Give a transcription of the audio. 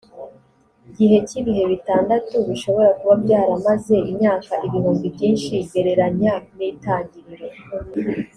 gihe cy ibihe bitandatu bishobora kuba byaramaze imyaka ibihumbi byinshi gereranya n itangiriro